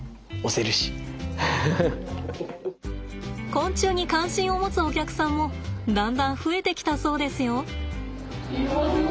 昆虫に関心を持つお客さんもだんだん増えてきたそうですよ。